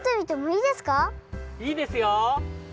いいですよ！